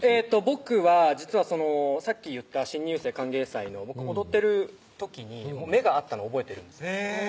僕は実はそのさっき言った新入生歓迎祭の僕踊ってる時に目が合ったのを覚えてるんですへぇ